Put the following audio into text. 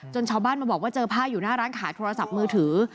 ชาวบ้านมาบอกว่าเจอผ้าอยู่หน้าร้านขายโทรศัพท์มือถือ